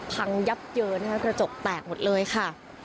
พังยับเยินนะคะกระจกแตกหมดเลยค่ะ